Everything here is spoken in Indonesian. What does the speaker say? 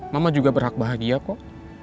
mama juga berhak bahagia kok